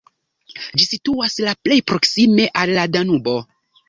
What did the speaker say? Ĝi situas la plej proksime al la Danubo.